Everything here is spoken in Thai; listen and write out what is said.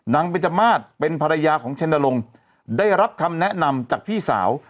เบนจมาสเป็นภรรยาของเชนลงได้รับคำแนะนำจากพี่สาว